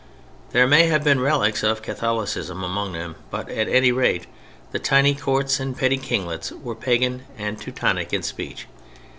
There may have been relics of Catholicism among them, but at any rate the tiny courts and petty kinglets were pagan and "Teutonic" in speech.